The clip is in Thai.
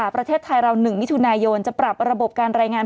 ประเทศไทยเรา๑มิถุนายนจะปรับระบบการรายงาน